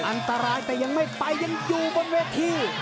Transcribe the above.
อันตรายแต่ยังไม่ไปยังอยู่บนเวที